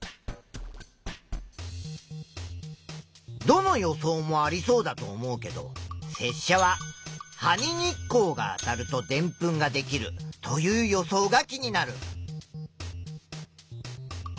どの予想もありそうだと思うけどせっしゃは「葉に日光があたるとでんぷんができる」という予想が気になる。